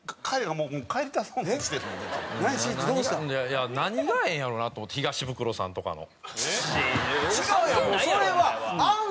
いや何がええんやろなと思って東ブクロさんとかの。いやいや俺関係ないやろ。